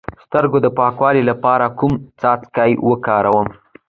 د سترګو د پاکوالي لپاره کوم څاڅکي وکاروم؟